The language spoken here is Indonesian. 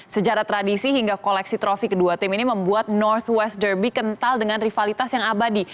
sejarah tradisi hingga koleksi trofi kedua tim ini membuat north west derby kental dengan rivalitas yang abadi